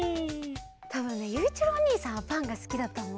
たぶんねゆういちろうおにいさんはパンがすきだとおもうよ。